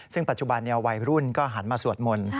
ซึ่งปัจจุบันวัยรุ่นก็หันมาสวดมนต์